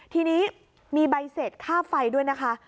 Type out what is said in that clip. ทีนี้มีใบเสร็จค่าไฟด้วยนะคะ